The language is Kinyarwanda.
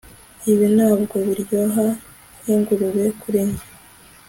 ibi ntabwo biryoha nkingurube kuri njye